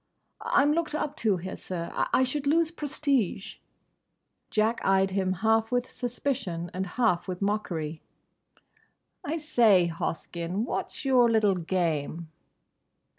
"I'm looked up to here, sir. I should lose prestige." Jack eyed him half with suspicion and half with mockery. "I say, Hoskyn, what's your little game?"